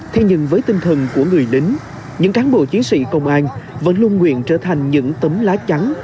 thế nhưng với tinh thần của người lính những cán bộ chiến sĩ công an vẫn luôn nguyện trở thành những tấm lá chắn